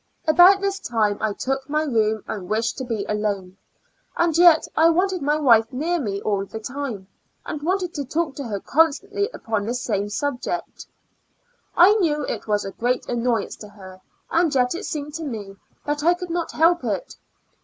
About this time I took my room and wished to be alone, and yet I wanted my wife near me all the time, and wanted to talk to her constantly upon the same sub ject. I knew it was a great annoyance to her, and yet it seemed to me that I could not help it.